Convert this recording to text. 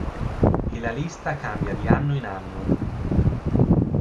E la lista cambia di anno in anno.